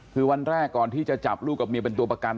คือวันแรกก่อนที่จะจับลูกกับเมียเป็นตัวประกัน